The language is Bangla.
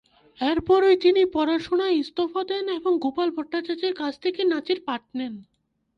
এর পরই তিনি পড়াশুনায় ইস্তফা দেন এবং গোপাল ভট্টাচার্যের কাছ থেকে নাচের পাঠ নেন।